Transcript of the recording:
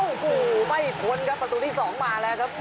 โอ้โหไม่พ้นครับประตูที่๒มาแล้วครับ